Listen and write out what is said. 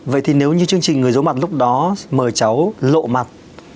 vậy thì nếu như chương trình người giấu mặt lúc đó mời cháu lộ mặt